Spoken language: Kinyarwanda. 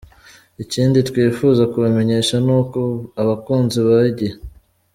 Ikindi twifuza kubamenyesha ni uko abakunzi ba igihe.